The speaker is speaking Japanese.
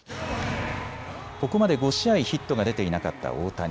ここまで５試合ヒットが出ていなかった大谷。